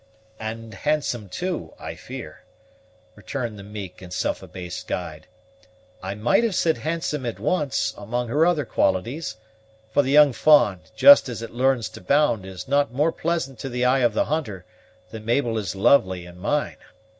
"And handsome, too, I fear," returned the meek and self abased guide; "I might have said handsome at once, among her other qualities; for the young fa'n, just as it learns to bound, is not more pleasant to the eye of the hunter than Mabel is lovely in mine.